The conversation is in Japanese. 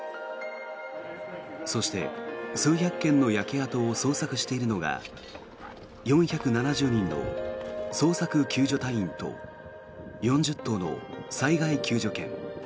そして、数百軒の焼け跡を捜索しているのが４７０人の捜索救助隊員と４０頭の災害救助犬。